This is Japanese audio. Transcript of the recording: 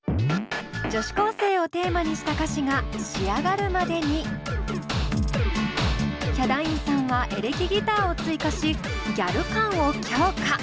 女子高生をテーマにした歌詞が仕上がるまでにヒャダインさんはエレキギターを追加しギャル感を強化。